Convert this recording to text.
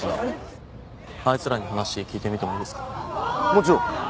もちろん。